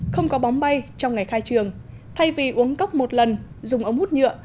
không có bóng bay trong ngày khai trường thay vì uống cốc một lần dùng ống hút nhựa